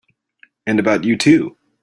And about you too!